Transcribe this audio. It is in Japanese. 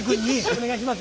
お願いします